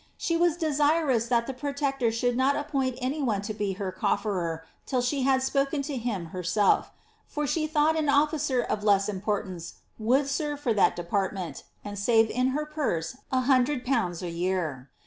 She was desirous that the protector should not appoint any one to be her cofferer till she had spoken to him herself, for she thought an officer of less importance would serve for that department, and save in her purse a hundred pounds a year.'